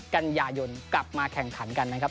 กันยายนกลับมาแข่งขันกันนะครับ